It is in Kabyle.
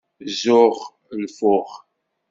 Zzux, lfux!